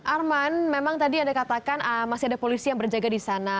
arman memang tadi anda katakan masih ada polisi yang berjaga di sana